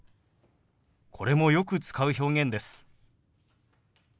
これもよく使う表現です。